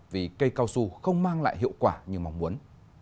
vì cây cao su không mang lại hiệu quả như mong muốn